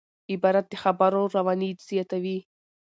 عبارت د خبرو رواني زیاتوي.